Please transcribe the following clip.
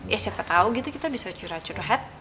ya siapa tahu gitu kita bisa curah curahat